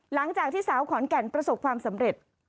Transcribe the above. หลังจากที่สาวขอนแก่นประสบความสำเร็จ